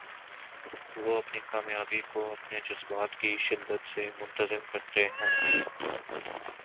وہ اپنی کامیابی کو اپنے جذبات کی شدت سے منتظم کرتے ہیں۔